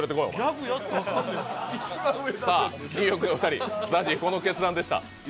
ニューヨークのお二人、ＺＡＺＹ、この決断でした。